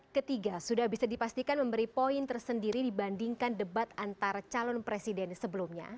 ketiga sudah bisa dipastikan memberi poin tersendiri dibandingkan debat antara calon presiden sebelumnya